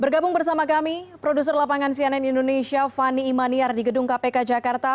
bergabung bersama kami produser lapangan cnn indonesia fani imaniar di gedung kpk jakarta